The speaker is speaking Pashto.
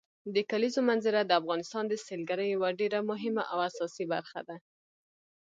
د کلیزو منظره د افغانستان د سیلګرۍ یوه ډېره مهمه او اساسي برخه ده.